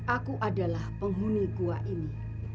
aku adalah penghuni gua ini